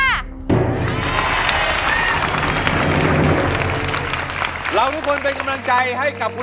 ขอให้ผ่านเพลงนี้ให้ได้